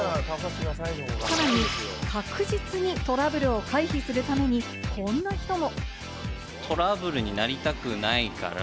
さらに確実にトラブルを回避するために、こんな人も。